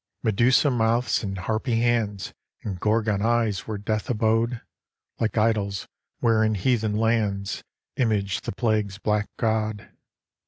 V Medusa mouths and harpy hands, And Gorgon eyes where death abode; Like idols, wherein heathen lands Image the Plague's black god.